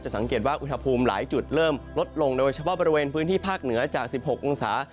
สังเกตว่าอุณหภูมิหลายจุดเริ่มลดลงโดยเฉพาะบริเวณพื้นที่ภาคเหนือจาก๑๖องศา